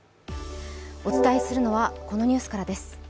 お伝えするのはこのニュースからです。